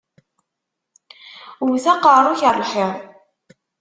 Wwet aqeṛṛu-k ar lḥiḍ!